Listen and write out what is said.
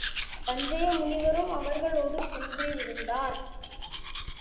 சஞ்சய முனிவரும் அவர்களோடு சென்றிருந்தார்.